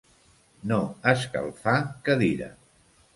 No escalfar cadira.